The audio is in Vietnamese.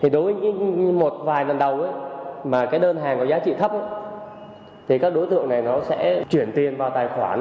đối với một vài lần đầu đơn hàng có giá trị thấp các đối tượng này sẽ chuyển tiền vào tài khoản